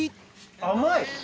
甘い！